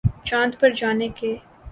چاند پر جانے کے